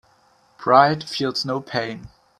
Pride feels no pain.